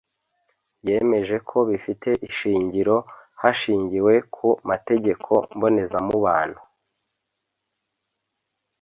yemejeko bifite ishingiro hashingiwe ku mategeko mbonezamubano